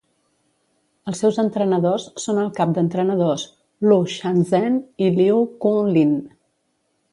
Els seus entrenadors són el cap d'entrenadors Lu Shanzhen i Liu Qun Lin.